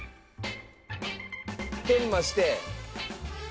研磨して。